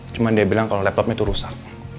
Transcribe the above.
cuma dia bilang kalau laptopnya itu rusak